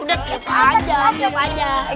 udah tiup aja